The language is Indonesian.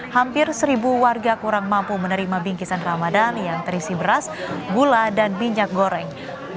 hampir seribu warga kurang mampu menerima bingkisan ramadan yang terisi beras gula dan minyak goreng